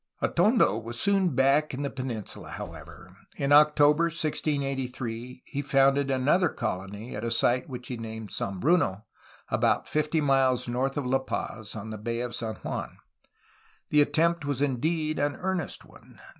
Atondo was soon back in the peninsula, however. In October 1683 he founded another colony at a site which he named San Bruno, about fifty miles north of La Paz, on the Bay of San Juan. The attempt was indeed an earnest one.